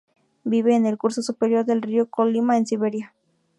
Vive en el curso superior del río Kolymá, en Siberia.